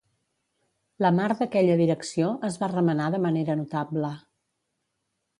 La mar d'aquella direcció es va remenar de manera notable.